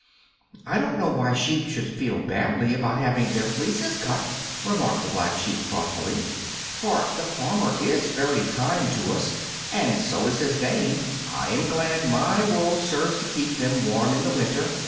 "I don't know why sheep should feel badly about having their fleeces cut," remarked the Black Sheep, thoughtfully, "for the farmer is very kind to us, and so is his dame, and I am glad my wool serves to keep them warm in the winter.